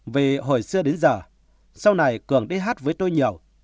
về hồi xưa đến giờ sau này cường đi hát với tôi nhiều